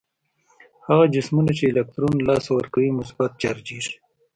هغه جسمونه چې الکترون له لاسه ورکوي مثبت چارجیږي.